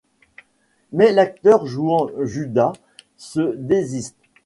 Mais l'acteur jouant Judas se désiste.